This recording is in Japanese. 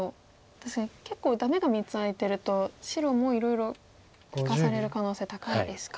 確かに結構ダメが３つ空いてると白もいろいろ利かされる可能性高いですか。